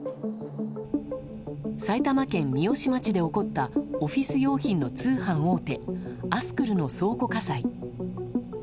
埼玉県三芳町で起こったオフィス用品の通販大手アスクルの倉庫火災。